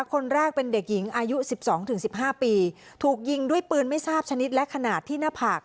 คนแรกเป็นเด็กหญิงอายุสิบสองถึงสิบห้าปีถูกยิงด้วยปืนไม่ทราบชนิดและขนาดที่หน้าผาก